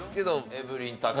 エブリン高橋。